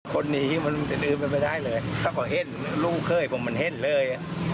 คนหนี่มันเป็นอื่นเป็นไปได้เลยถ้าเขาเห็นลูกเคยผมมันเห็นเลย